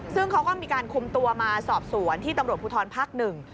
ซึ่งเขาก็มีการคุมตัวมาสอบสวนที่ตำรวจภูทรภาคหนึ่ง